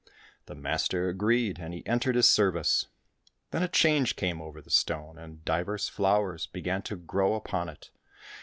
The master agreed, and he entered his service. Then a change came over the stone, and divers flowers began to grow upon it.